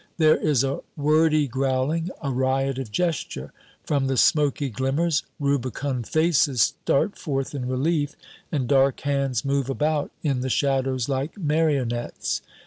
There is a wordy growling, a riot of gesture. From the smoky glimmers, rubicund faces start forth in relief, and dark hands move about in the shadows like marionettes.